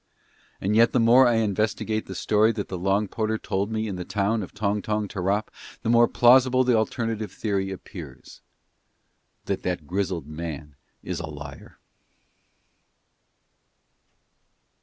And yet the more I investigate the story that the long porter told me in the town of Tong Tong Tarrup the more plausible the alternative theory appears that that grizzled man is a liar.